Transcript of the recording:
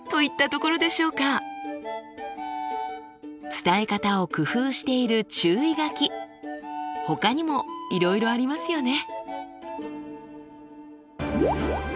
伝え方を工夫している注意書きほかにもいろいろありますよね。